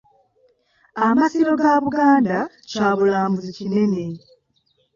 Amasiro ga Buganda kya bulambuzi kinene.